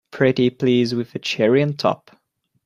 Pretty please with a cherry on top!